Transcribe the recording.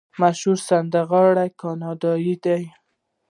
مشهور سندرغاړي کاناډایان دي.